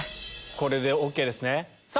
これでＯＫですね。